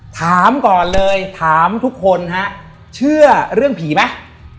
ถามก่อนเลยถามทุกคนฮะเชื่อเรื่องผีไหม